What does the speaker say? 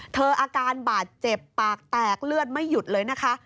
อาการบาดเจ็บปากแตกเลือดไม่หยุดเลยนะคะ